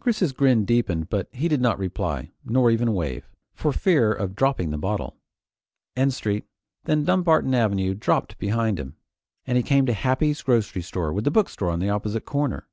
Chris's grin deepened but he did not reply, nor even wave, for fear of dropping the bottle. N Street, then Dumbarton Avenue, dropped behind him, and he came to Happy's Grocery with the bookshop on the opposite corner.